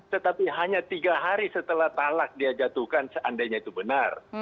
tetapi hanya tiga hari setelah talak dia jatuhkan seandainya itu benar